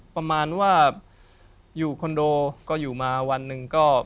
ประมาณว่าอยู่คอนโดก็อยู่มาวันหนึ่งก็